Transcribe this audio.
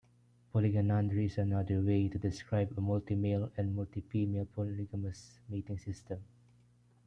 Polygynandry is another way to describe a multi-male and multi-female polygamous mating system.